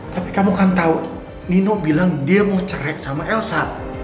tapi kamu kan tahu nino bilang dia mau cerek sama elsa